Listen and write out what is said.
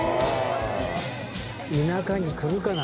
田舎に来るかな。